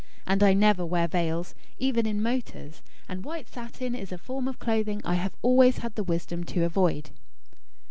And I never wear veils, even in motors; and white satin is a form of clothing I have always had the wisdom to avoid."